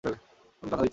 তুমি কথা দিচ্ছ?